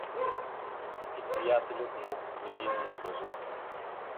И приятелят му загина на въжето.